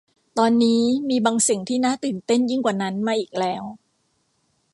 ตอนนี้มีบางสิ่งที่น่าตื่นเต้นยิ่งกว่านั้นมาอีกแล้ว